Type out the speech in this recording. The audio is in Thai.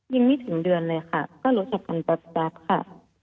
ยังไม่ถึงเดือนเลยค่ะก็รู้จักกันแป๊บค่ะ